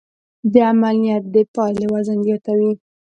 د عمل نیت د پایلې وزن زیاتوي.